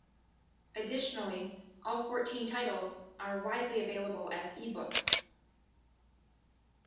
Additionally, all fourteen titles are widely available as ebooks.